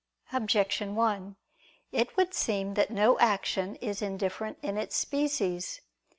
Objection 1: It would seem that no action is indifferent in its species.